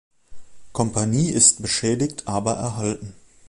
Kompanie ist beschädigt aber erhalten.